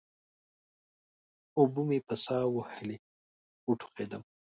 اوبه مې په سا ووهلې؛ وټوخېدم.